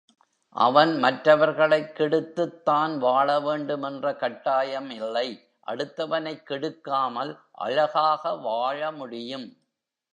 அவன் மற்றவர்களைக் கெடுத்துத் தான் வாழ வேண்டும் என்ற கட்டாயம் இல்லை அடுத்தவனைக் கெடுக்காமல் அழகாக வாழ முடியும்.